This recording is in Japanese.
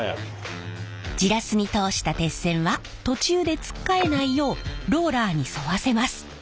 ジラスに通した鉄線は途中でつっかえないようローラーに沿わせます。